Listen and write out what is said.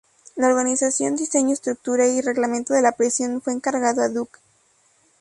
La organización, diseño, estructura y reglamento de la prisión fue encargado a Duch.